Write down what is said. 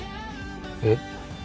えっ？